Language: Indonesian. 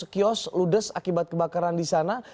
tiga ratus kiosk ludes akibat kebakaran di sana